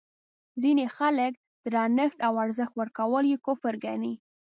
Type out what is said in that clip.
ځینې خلک درنښت او ارزښت ورکول یې کفر ګڼي.